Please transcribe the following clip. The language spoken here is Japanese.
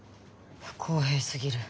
不公平すぎる。